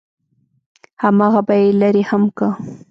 همغه به يې لرې هم کا.